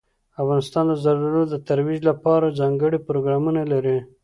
افغانستان د زردالو د ترویج لپاره ځانګړي پروګرامونه لري.